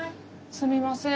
すみません